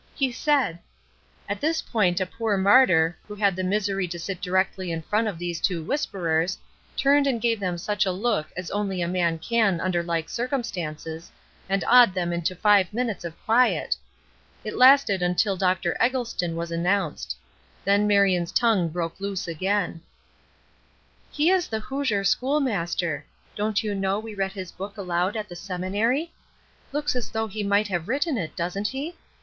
He said " At this point a poor martyr, who had the misery to sit directly in front of these two whisperers, turned and gave them such a look as only a man can under like circumstances, and awed them into five minutes of quiet. It lasted until Dr. Eggleston was announced. Then Marion's tongue broke loose again: "He is the 'Hoosier Schoolmaster.' Don't you know we read his book aloud at the seminary? Looks as though he might have written it, doesn't he?